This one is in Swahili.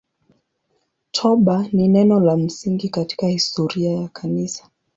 Toba ni neno la msingi katika historia ya Kanisa.